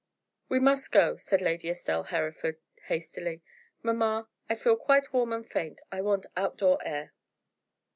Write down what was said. "We must go," said Lady Estelle Hereford, hastily. "Mamma, I feel quite warm and faint. I want outdoor air."